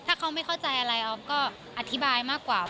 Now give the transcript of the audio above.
ถ้าเขาไม่เข้าใจอะไรออฟก็อธิบายมากกว่า